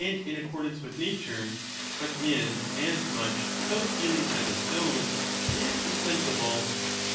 3 I22I* in accordance with nature, but is as much without feeling as a stone, is insensible.